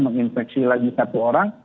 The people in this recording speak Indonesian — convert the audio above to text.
menginfeksi lagi satu orang